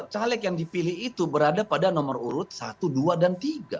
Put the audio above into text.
caleg yang dipilih itu berada pada nomor urut satu dua dan tiga